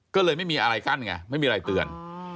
ก็เลยไม่มีอะไรกั้นไงไม่มีอะไรเตือน